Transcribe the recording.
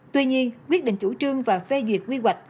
tuy nhiên quyết định chủ trương và phê duyệt quy hoạch